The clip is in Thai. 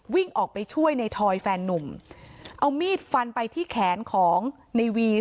วิ่งออกไปช่วยในทอยแฟนนุ่มเอามีดฟันไปที่แขนของในวีซ